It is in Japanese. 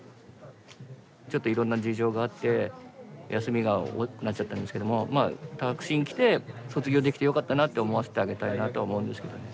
ちょっといろんな事情があって休みが多くなっちゃったんですけどもまあ拓真来て卒業できてよかったなって思わせてあげたいなと思うんですけどね。